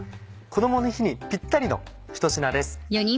こどもの日にぴったりのひと品です。